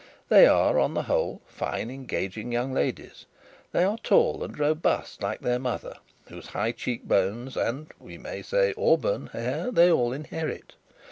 They are, on the whole, fine engaging young ladies. They are tall and robust like their mother, whose high cheek bones, and we may say auburn hair, they all inherit.